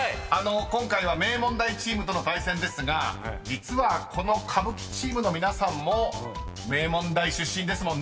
今回は名門大チームとの対戦ですが実はこの歌舞伎チームの皆さんも名門大出身ですもんね］